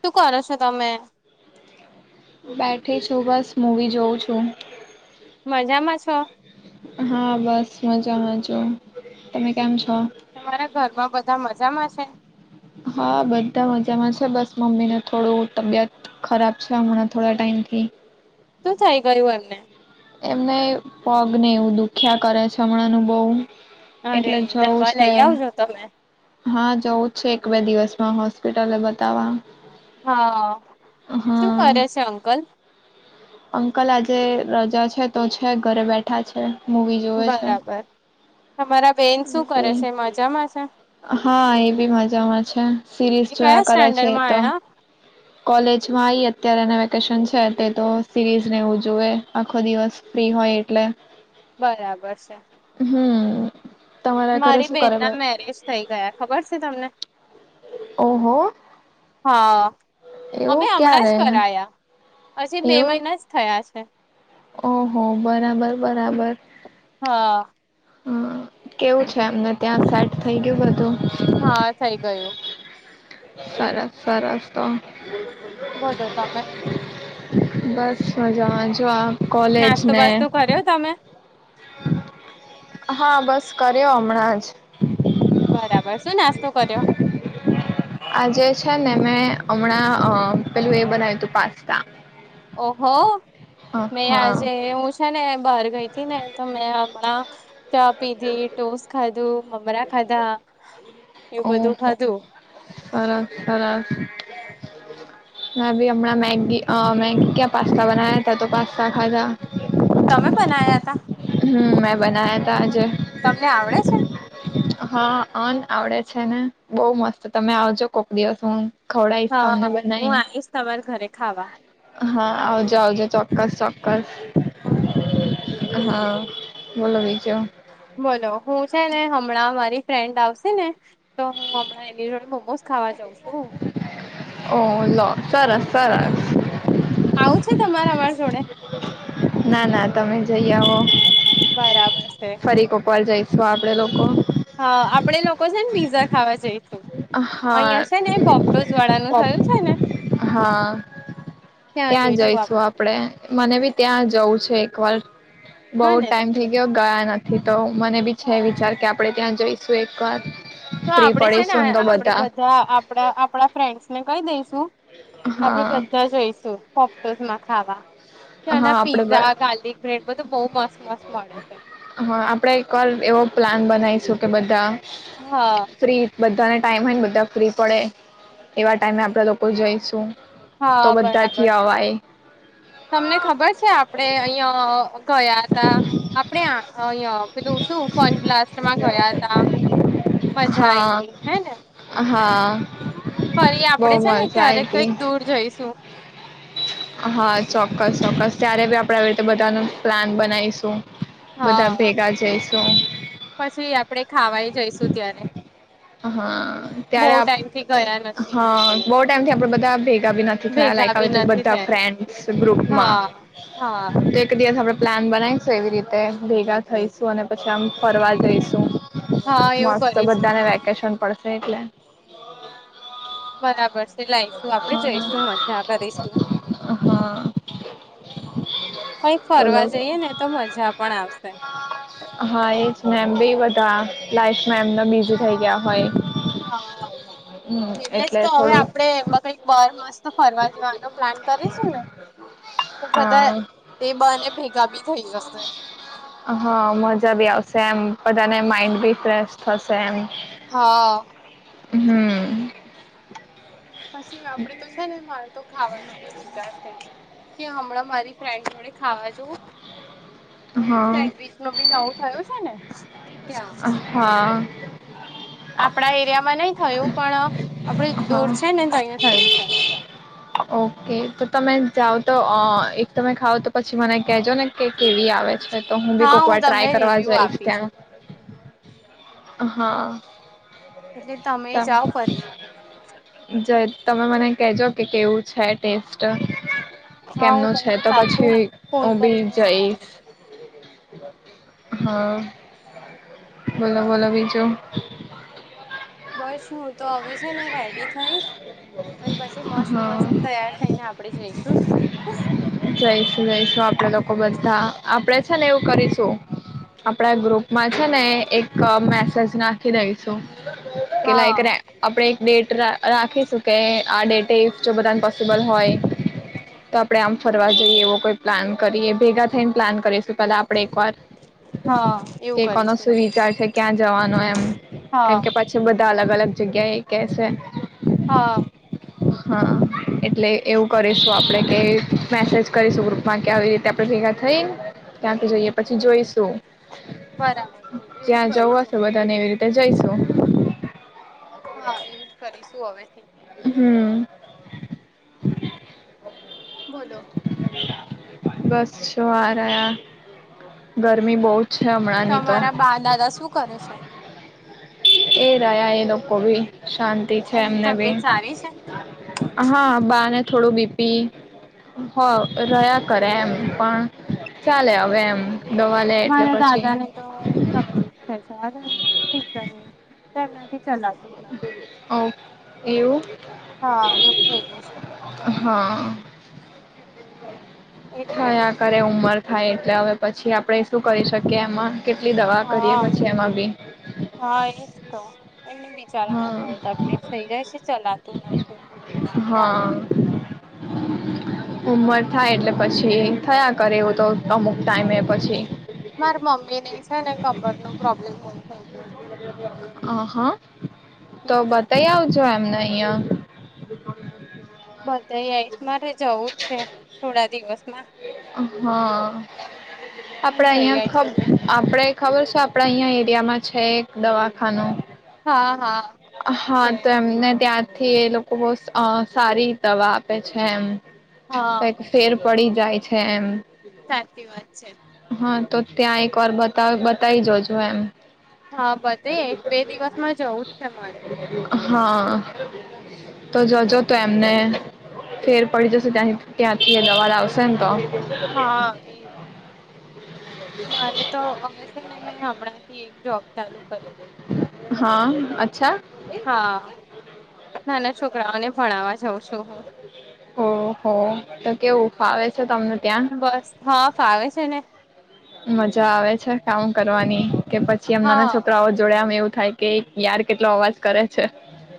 શું કરો છો તમે? ઉઠી છું બસ મૂવી જોઉં છું. મજામાં છો? હા બસ મજામાં છું. તમારા ઘરમાં બધા મ જામા છે. હા બધા મજામાં છે બસ મમ્મીને થોડું તબિયત ખરાબ છે હમણાં થોડા ટાઈમથી. શું થઈ ગયું એમને એમને પગ ને એવું દુખ્યા કરે છે હમણાં નુ બવ અરે એટલે જવું દવા છે લઈ આવજો તમે. હા જવું જ છે એક બે દિવસમાં હોસ હસ્પિટલ બતાવા. હા શું હા કરે છે અંકલ અંકલ આજે રજા છે તો છે ઘરે બેઠા છે. મુવી જોવે છે બરાબર. તમારા બેન શું કરે છે? મજામાં છે? હા એ બી મજામાં છે સિરીઝ એ કયા જોયા કરે છે એ સ્ટાન્ડર્ડમાં તો આયા? કોલેજમાં ઈ અત્યારે એને વેકેશન છે તે તો સિરીઝ રહેવું જોવે આખો દિવસ ફ્રી હોય એટલે. બરાબર છે. હમ તમારા ઘરે મારી શું બેન કરે બ ના મેરેજ થઇ ગયા ખબર છે તમને. ઓહો હા એવું ક્યારે હછી બે એવું મહિના જ થયા છે. ઓહો બરાબર બરાબર. હા. હમ કેવું છે એમને ત્યાં સેટ થઇ ગયું બધું. હા થઈ ગયું. સરસ સરસ તો. બોલો તમે. બસ મજામાં જો આ કોલેજ નાસ્તો ને બાસ્તો કર્યો તમે [inaudible] હા બસ કર્યો હમણાં જ બરાબર શું નાસ્તો કર્યો? આજે છે નેં હમણાં અ પેલું એ બનાવ્યું તું પાસ્તા. ઓહો. મે હ હા આજે એવું છે ને બ ગઈ ને તો મેં હમણાં ચા પીધી ઢોસ ખાધું મમરા ખાધા. એવું બધું ઓક ખાધું સરાસ સરરાસ. મેં ભી હમણાં મેગી અ મેગી ક્યાં પાસ્તા બનાયા હતા તો પાસ્તા ખાધા. તમે બનાયા તા. હમ્મ મેં બનાયા ત આજે. તમને આવડે છે? હા અન આવડે છે ને બહ મસ્ત તમે આવજો કોક દિવસ હું ખવડાઈશ તમને હા હ હું બનાઈને આવીશ તમારે ઘરે ખાવા. હા આવજો આવજો ચોક્કસ ચોક્કસ. હાને. હા બોલો બીજું. બોલો હું છે ને હમણાં મારી ફ્રેન્ડ આવશે ને તો હું હ એની જોડે મોમોઝ ખાવા જઉ છું. ઓહ લો સરસ સરારસ. આવું છે તમારા અરી જોડે? ના ના તમે જઈ આવો. બરાબર છે ફરી કોપર જઈશું આપડે લોકો. કો સે ને પીઝા ખાવા જાય. હા અહિયાં છે ને પોપટોસ વાળાનું પોપ થયું છે ને હા ત્યાં જઈશું આપ. મને બી ત્યાં જવું છે એક વાર. બહ હા ને ટાઈમ થઈ ગયો ગયા નથ. તો. મને બી છે હા વિચાર કે આપડે ત્યાં જોઈશ. સ્વેત કર તો આપડે છે ને આપડે બધા આપણા આપણા ફ્રેન્ડસ ને કહી દઈશુ. આપણે હા બધા જઈશું. તોસ મા ખાવા. હા ત્યાંના આપડે પીઝા ગાર્લિક બ્રેડ બધું બહુ મસ્ત મસ્ત મળે છે હા આપડે એક વાર એવો પ્લાન બનાવીશું. કે બધા હા ફ્રીત બધાને ટાઈમ હોય ને બધા ફ્રી પડે એવા ટાઈમે આપણા લોકો જઈશું. હા તો બધાથી બરાબર અવાય. તમને ખબર છે આપડે અહિયાં અ કયા હતા આપણે અ અહીયાં પેલું શું ફન બ્લાસ્ટમાં ગયા હતા. મજા આઈ હા તી હેને! હા. ફરી બહુ આપણેે છે ને મજા ક્યારે આઈ હતી કંઈક દૂર જઈશું. હા ચોક્કસ ચોક્કસ. ત્યારે બી આપણે આવી રીતે બધાનું પ્લાન બનાઈશું. બધા હા ભેગા જઈ તો પછી આપણેે ખાવાય જઈશું ત્યારે હા બહુ ત્યારે આ ટાઈમ થી ગયા નથી હા બોવ ટાઈમથી આપણે બધા ભેગા બી નથી થયા ભેગા લાઈક બી આવી રીતે નથી બધા થયા ફ્રેન્ડ ગ્રુપમાં હા હા તો એક દિવસ આપણે પ્લાન બનાઈશું એવી રીતે ભેગા થઈશું અને પછી આમ ફરવા જઈશું. હા એવું મસ્ત કરીશું બધાને વે કેશન પડશે એટલે બરાબર છે લાઈશું આપણેે જઈશું હા મજા કરીશું હા કઈક બોલો ફરવા જઈએ ને તો મજા પણ આવશે. હા એજ ને એમ બી લાઈફમાં એમનમ બીજું થઈ ગયા હોય હા હમ એટલે જ તો હવે થોડું આપણે કઈક બાર મસ્ત ફરવા જવાનો પ્લાન કરીશું ને તો બધા હા તે બહાને ભેગા બી થઈ જશે હા મજા બી આવશે એમ બધાને. અને માઇન્ડ બી ફ્રેશ થશે એમ. હ. હમ પછી આપણે તો છે ને માર તો ખાવાનું બી વિચાર છે કે હમણાં મારી ફ્રેન્ડ જોડે ખાવા જવું. અહીંયા હા સેન્ડવીચનો બી નવું થયું છે ને ત્યાં. હા આપણા એરિયામાં નહીં થયું પણ આપડે હા દૂર છે ને તહિયા થયું છે. ઓકે તો તમે જાવ તો એક તમે ખાવ તો પછી મને કેજો ને કે કેવી આ છે તો હું બી હા કોક વાર ટ્રાય તમને કરવા રિવ્યુ જઈશ આપીશ ત્યાં. હા. એટલે તમે તમ જાઓ ફરી જ તમે મને કેજો કે કેવું છે ટેસ્ટ હા હું કેમનું છે તમને તો પાકું પછી ફોન બી કરીને જણાઈશ જઈશ હા બ વો લ વિીજો બસ હું તો હવે છે ને રેડી થઈશ અને પછી મસ્ત હા મસ્ત તૈયાર થઈને આપણેે જોઈશું જઈશું જઈશું આપણા લોકો બધા આપણેે છે ને એવું કરીશું આપડા ગ્રુપમાં છે ને એક મેસેજ નાખી દઈશું કે હા લયકને આપણે નેટ્ર રાખીશું કે આ ડેટફ જો બધાને પોસબલ હોય તો આપણે આમ ફરવા જઈએ એવો કોઈ પ્લાન કરીએ ભેગા થઈને પ્લાન કરીશું પ આપડે એક વાર હા એવું કેવાનો કરીશું શું વિચાર છે ક્યાં જવાનો એમ હા કેમ કે પછી બ અલગ અલગ જગ્યા એ કેસ હા હા એટલે એવું કરીશું આપડે કે મેસેજ કરીશું ગ્રુપમાં કે આવી રીતે આપડે ભેગા થઈને ત્યાંથી જઈએ પછી જોઈશું બરાબર છે એવું જ ત્યાં જવવા કરીશું છ બધાને એવી રીતે તે જઈશું હા યુજ કરીશું હવે થી હમ બોલો બસ શું હાર ગરમી બહુ જ છે હમણાંની તો તમારા બા દાદા શું [unintelligible] ઘેર્યા એ લોકો કો ભી શાંતિ છે એમની એમને બી તબિયત સારી છે હા બને થોડું બીપી હો રહ્યા કરે એમ પણ ચાલે એમ દવા લે એટલે મારા પછી [inaudible] ચલા ઓ એવું હા એવું થઇ ગયું છે હા એટલે થયા કરે ઉંમર થાય એટલે હવે પછી આપણેે શું કરી શકીએ એમાં કેટલી દવા કરીએ હા પછી એમાં બી હા એજ તો એમને બિચારાને હા બહુ તકલીફ થઇ જાય છે ચલાતું નથી હા દાદા ને ઉમર થાય એટલે પછી થયા કર એવું તો અમુક ટાઈમ પછી મારે મમ્મી નહ છે ને કમર નું પ્રોબ્લેમ બ થઈ ગયો છે આહા તો એટલે બતાય આવજો એમને અહિયાં [unintelligible] બધા આઈશ મારે જવું જ છે થોડા દિવસમાં હા પણ આપડે જઈ અહિયાં આવીશું આપડે ખબર છે આપણા અહીંયા એરિયામાં છે એક દવાખાનું હા હા હા છે તો એમને ત્યાં થી એ લોકો બહ સારી દવા આપે છે એમ હા ત ફેર પડી જાય છે એમ સાચી વાત છે હા તો ત્યાં એક વાર બતા બતાવી જજો એમ હા બધ એક બે દિવસ માં જવું જ છે મારે હા તો જોજો તો એમને ફેર પડી જશે ત્યાની ત્યાં એ દવાળ આવશે ને તો હા એ મારે તો હવે છે ને મે હમણાં થી એક જોબ ચાલુ કરી હા અચ્છા હા નાના છોકરાઓને ભણાવવા જઉં છું હું ઓહ તો કેવું ફાવે છે તમને ત્યાં બસ હા ફાવે છે ને મજા આવે છે કામ કરવાની કે પછી એમ નાના હા છોકરાઓ જોડે એમ એવું થાય કે યાર કેટલો અવાજ કરે છે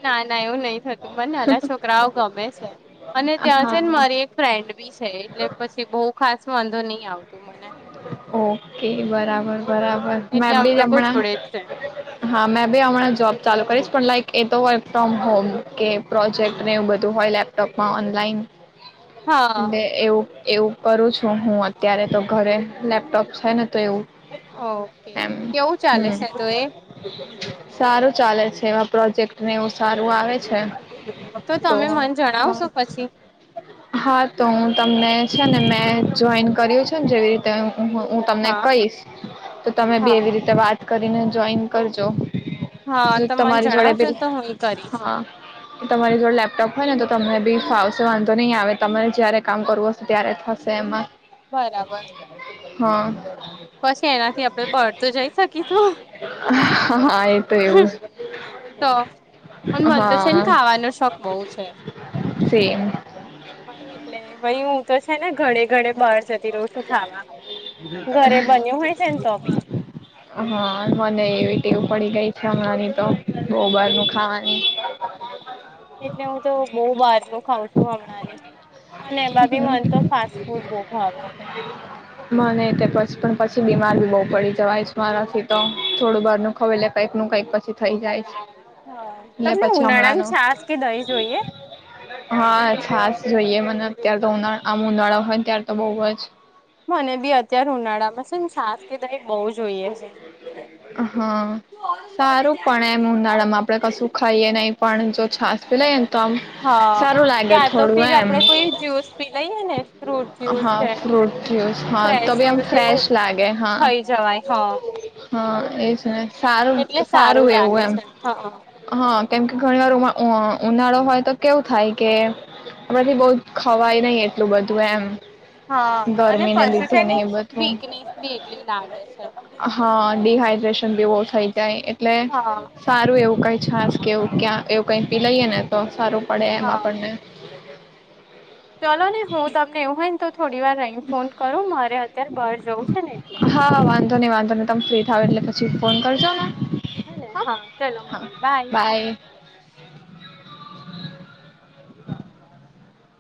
ના ના એવું નહી થતું મને નાના છોકરાઓ ગમે છે અને ત્યાં છે હા મારી એક ફ્રેન્ડ બી છે એટલે પછી બહુ ખાસ વાંધો નહી આવતું મને ઓકે બરાબર બરાબર એટલે મેં અમે બી લોકો હમણાં જોડે જ છે હા મેં બી હમણાં જોબ ચાલુ કરીશ પણ લાઈક એ તો વર્ક ફ્રોમ હોમ કે પ્રોજેક્ટને એવું બધું હોય લેપટોપમાં ઓનલાઈન હા એવું એવું કરું છું હું અત્યારે તો ઘરે લેપટોપ છે ને તો એવું ઓકે એમ કેવું ચાલે હમ છે તો એ સારું ચાલે છે એવા પ્રોજેક્ટને બ સારું આવે હા તો તમે મને જણાવશો પછી હું તમને છે ને મેં જોઈન કર્યું છે ને જેવી રી હું તમને હા કહીશ તો તમે બી હા એવી રીતે વાત કરીને જોઈન કરજો હા ત જો મને તમારી જોડે જણાવજો બી તો હું એ કરીશ હા તમારી જોડ લેપટોપ હોય ને તો તમને બી ફાવશે વાંધો નહી આવે તમારે જયારે કામ કરવું હશે ત્યારે થશે એમાં બરાબર હા પછી એનાથી આપણેે પહારતો જઈ શકીશું હમ તો પણ મન તો છે ને હા ખાવાનો શોખ બહુ છે સેમ હ એટલે ભાઈ હું તો છે ને ઘરે ઘડ બહાર જતો બન્યું હોય છે ને તો બી હા મને યટ્યબ પડી ગઈ છે હમણાં ની તો બોબર નું ખાવાની એટલે હું તો બઉ બાર લોકો હઉ છું હમણાં ને અને બાભી મન તો ફાસ્ટ ફૂડ બઉ ભાવે છે. મને ત બચપણ પછી પછી બીમારી બહુ પડી જવાય છ મારાથી તો થોડું બારનું ખવેલ કઈકનું કંઈક પછી થઈ જાય છે. હ એટલે તમને પછી ઉનાળાની હમણાંનું છાસ કે દહી જોઈએ? હા છાસ જોઈએ મ અત્યારે તો ઉનાળા આમ ઉનાળા હોય ત્યારે તો બઉ જ મને બી અત્યારે ઉનાળામાં સે ને છાસ કે દહીં બઉ જોઈએ છે હા સારું પણ એમ ઉનાળામાં આપણે કશું ખાઈએ નહીં પણ જો છાસ પી લઈએ ને તો આમ હા સારું લાગે ત્યાં તો થોડું ફીર એમ આપડે કોઈ જ્યુસ પી લઈએ ને ફ્રૂટ જ્યુસ હા છે. ફ્રૂટ જ્યુસ હા તો ફ્રેશ ભી આમ જ્યુસ ફ્રેશ એવું લાગે હા. થઈ જવાય હા. હ એજ સારું એટલે સારું એવું લાગે એમ છે હા. હા કેમ કે ઘણી વારમાં અ ઉનાળો હોય તો કેવું થાય કે [unintelligible] બઉ ખવાય નઈ એટલું બધું એમ. હા અને ગરમીને પછી છે લીધે ને એ બધું વીકનેસ બી એટલી લાગે. છે. હા ડીહાઈડ્રેશન બી બઉ થઈ જાય એટલે હા સારું એવું કઈ છાસ કે એવું ક્યાં એવું કઈ પી લઈએ ને તો સારું પડે એમ આપણને. ચાલો ને હું તમને એવું હોય ને તો થોડી વાર રહી ફોન કરું મારે અત્યારે બહાર જવું છે ને એટલે. હા વાંધો ની વાંધો ની તમે ફ્રી થાવ એટલે છી ફોન કરજો ને. હ ને હા ચાલો હા મળીએ બાય. [inaudible]